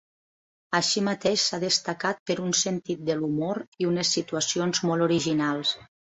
Així mateix s'ha destacat per un sentit de l'humor i unes situacions molt originals.